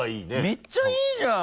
めっちゃいいじゃん！